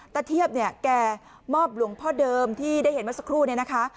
เทียบเนี่ยแกมอบหลวงพ่อเดิมที่ได้เห็นเมื่อสักครู่เนี่ยนะคะ